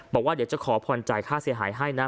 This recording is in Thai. บอกว่าเดี๋ยวจะขอผ่อนจ่ายค่าเสียหายให้นะ